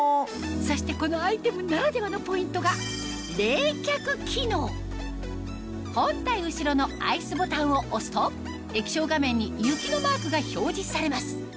そしてこのアイテムならではのポイントが本体後ろのＩＣＥボタンを押すと液晶画面に雪のマークが表示されます